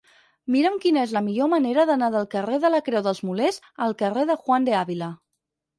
Mira'm quina és la millor manera d'anar del carrer de la Creu dels Molers al carrer de Juan de Ávila.